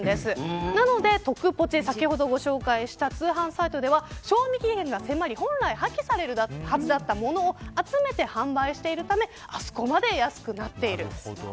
なので、先ほど紹介したトクポチでは賞味期限が迫り本来破棄されるはずだったものを集めて販売してるのであそこまで安くなっています。